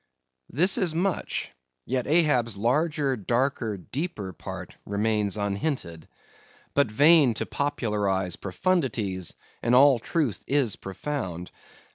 This is much; yet Ahab's larger, darker, deeper part remains unhinted. But vain to popularize profundities, and all truth is profound.